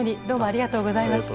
ありがとうございます。